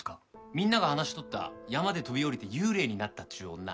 みんなが話しとった山で飛び降りて幽霊になったっちゅう女。